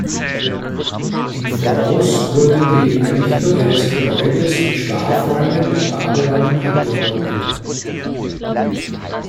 Im Voraus wurde die Errichtung eines Gebäudes mit Schlafräumen und Badewannen angeordnet.